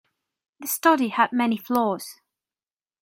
The study had many flaws.